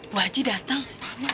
bu haji datang